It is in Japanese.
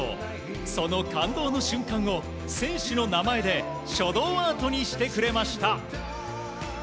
その感動の瞬間を選手の名前で書道アートにしてくれました。